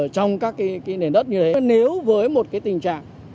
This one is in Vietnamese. trong các cái nền đất như thế nếu với một cái tình trạng